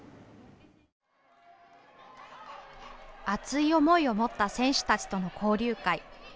熱い思いを持った選手たちとの交流会。